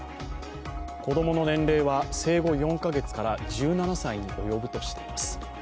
子供の年齢は生後４か月から１７歳に及ぶとしています。